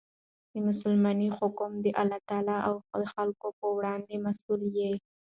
مسلمان حاکم د الله تعالی او خلکو په وړاندي مسئول يي.